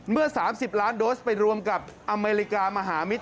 เมื่อ๓๐ล้านโดสไปรวมกับอเมริกามหามิตร